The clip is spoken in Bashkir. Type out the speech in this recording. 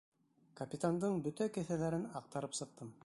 Капитандың бөтә кеҫәләрен аҡтарып сыҡтым.